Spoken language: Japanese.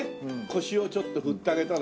腰をちょっと振ってあげたら。